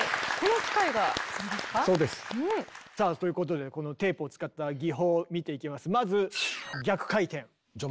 さあということでこのテープを使った技法を見ていきます。